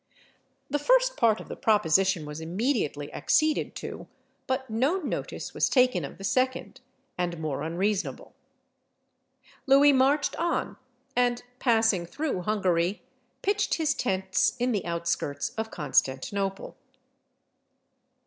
The first part of the proposition was immediately acceded to, but no notice was taken of the second and more unreasonable. Louis marched on, and, passing through Hungary, pitched his tents in the outskirts of Constantinople.